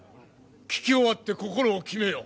聞き終わって心を決めよ。